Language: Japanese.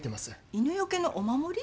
犬よけのお守り？